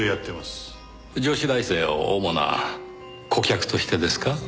女子大生を主な顧客としてですか？